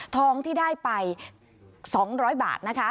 ทองที่ได้ไปสองร้อยบาทนะคะ